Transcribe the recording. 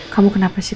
kamu kenapa sih